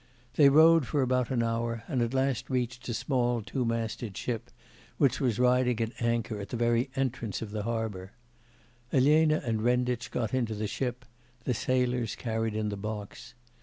They rowed for about an hour, and at last reached a small two masted ship, which was riding at anchor at the very entrance of the harbour. Elena and Renditch got into the ship; the sailors carried in the box.